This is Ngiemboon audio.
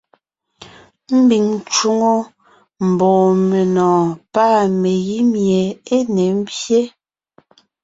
Ḿbiŋ ńcwoŋo ḿbɔ́ɔn menɔ̀ɔn pâ megǐ míe é ne ḿbyé.